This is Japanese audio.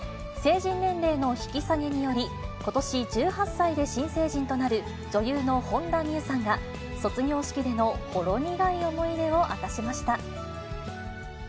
成人年齢の引き下げにより、ことし、１８歳で新成人となる女優の本田望結さんが、卒業式でのほろ苦い思い出を明かしました。